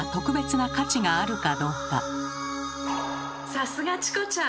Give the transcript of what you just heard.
さすがチコちゃん！